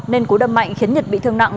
nên cú đâm mạnh khiến nhật bị thương nặng